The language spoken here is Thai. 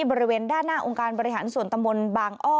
บริเวณด้านหน้าองค์การบริหารส่วนตำบลบางอ้อ